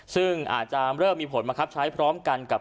ซึ่งอาจจะเริ่มมีผลมาใช้พร้อมกับ